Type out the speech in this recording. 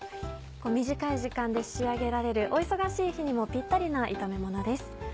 短い時間で仕上げられるお忙しい日にもピッタリな炒めものです。